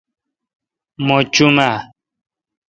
مہ چو م اہ؟